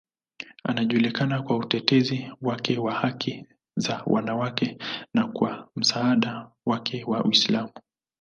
Anajulikana kwa utetezi wake wa haki za wanawake na kwa msaada wake wa Uislamu.